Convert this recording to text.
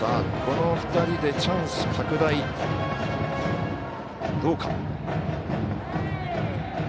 この２人でチャンス拡大どうか。